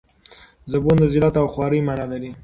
زبون د ذلت او خوارۍ مانا لري.